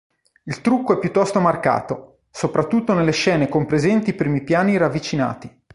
Il trucco è piuttosto marcato, soprattutto nelle scene con presenti primi piani ravvicinati.